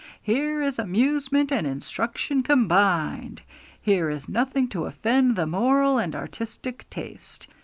Here is amusement and instruction combined! Here is nothing to offend the moral and artistic taste!